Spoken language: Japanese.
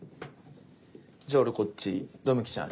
じゃあ俺こっち百目鬼ちゃん